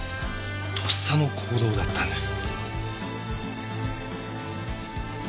とっさの行動だったんです。